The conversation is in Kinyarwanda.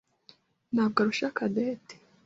ntabwo arusha Cadette.